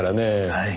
はい。